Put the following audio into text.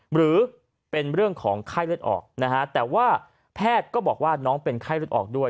หรือเป็นเรื่องของไข้เลือดออกนะฮะแต่ว่าแพทย์ก็บอกว่าน้องเป็นไข้เลือดออกด้วย